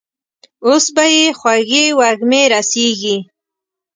اوس به يې خوږې وږمې رسېږي.